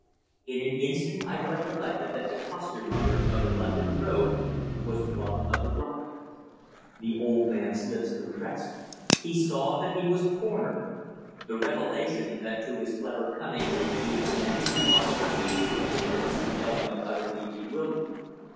In an instant I recollected that the costermonger of the London Road was one of the ruffians. The old man's lips compressed. He saw that he was cornered. The revelation that to his clever cunning was due the many remarkable features of the mystery held me utterly bewildered.